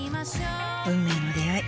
運命の出会い。